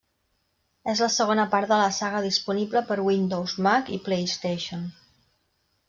És la segona part de la saga, disponible per Windows, Mac i PlayStation.